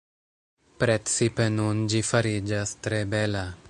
Precipe nun ĝi fariĝas tre bela.